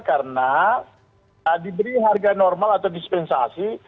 karena diberi harga normal atau dispensasi